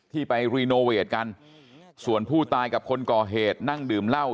ที่ไปรีโนเวทกันส่วนผู้ตายกับคนก่อเหตุนั่งดื่มเหล้า